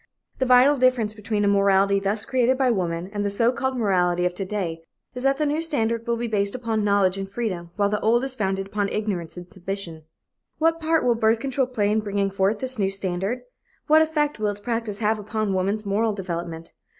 The vital difference between a morality thus created by women and the so called morality of to day, is that the new standard will be based upon knowledge and freedom while the old is founded upon ignorance and submission. What part will birth control play in bringing forth this new standard? What effect will its practice have upon woman's moral development?